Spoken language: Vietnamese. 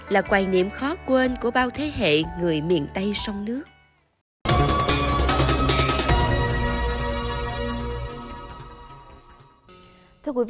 là quài niệm khó quên của bao thế hệ người miền tây sông nước